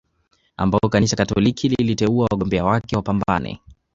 ambao Kanisa Katoliki liliteua wagombea wake wapambane